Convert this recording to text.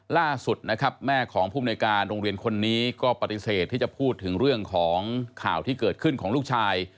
ล่าสุดนะครับแม่ของภูมิในการโรงเรียนคนนี้ก็ปฏิเสธที่จะพูดถึงเรื่องของข่าวที่เกิดขึ้นของลูกชาย